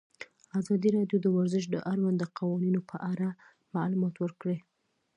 ازادي راډیو د ورزش د اړونده قوانینو په اړه معلومات ورکړي.